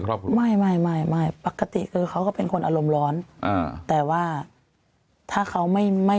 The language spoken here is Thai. ครอบครัวไม่ปกติเขาก็เป็นคนอารมณ์ร้อนแต่ว่าถ้าเขาไม่มี